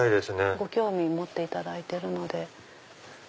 ご興味持っていただいてるので。